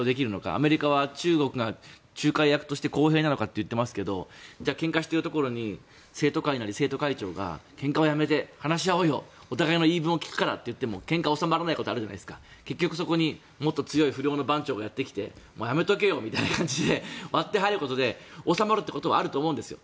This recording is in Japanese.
アメリカは中国が仲介役として公平なのかと言っていますがけんかしているところに生徒会なり生徒会長がけんかはやめて話し合おうよお互いの言い分を聞くからって言ってもけんかが収まらないことがあるじゃないですか結局そこに、もっと強い不良の番長がやってきてやめておけよみたいな感じで割って入ることで収まることはあると思うんですよ。